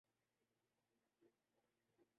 ایساکچھ نہیں ہوا۔